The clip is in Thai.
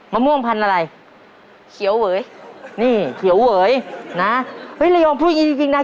ม่วงพันธุ์อะไรเขียวเหวยนี่เขียวเหวยนะเฮ้ยระยองพูดอย่างงี้จริงจริงนะ